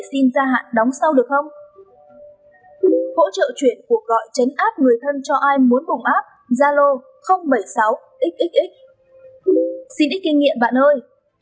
xin ít kinh nghiệm bạn ơi